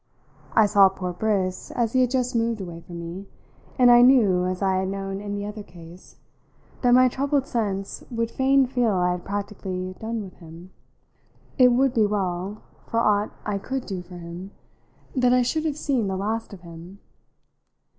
I saw poor Briss as he had just moved away from me, and I knew, as I had known in the other case, that my troubled sense would fain feel I had practically done with him. It would be well, for aught I could do for him, that I should have seen the last of him.